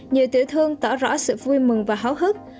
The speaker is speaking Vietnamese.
nhiều tự thương tỏ rõ sự vui mừng và hóa hức